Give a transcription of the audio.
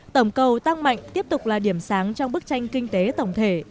tổng cầu tăng mạnh tiếp tục là điểm sáng trong bức tranh kinh tế tổng thể